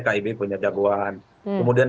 kib punya jagoan kemudian